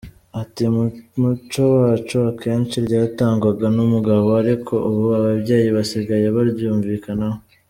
Ati “Mu muco wacu akenshi ryatangwaga n’umugabo ariko ubu ababyeyi basigaye baryumvikanaho.